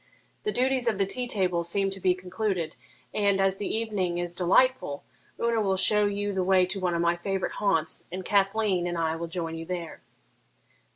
The duties of the tea table seem to be concluded, and, as the evening is delightful, Una will show you the way to one of my favourite haunts, and Cathleen and I will join you there.'